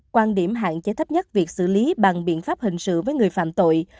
quan điểm hạn chế thấp nhất việc xử lý bằng biện pháp hình sự với người phạm tội